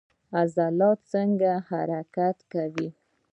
عضلات څنګه حرکت کوي؟